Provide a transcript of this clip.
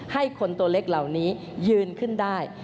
ให้คนตัวเล็กเหล่านี้ยืนขึ้นได้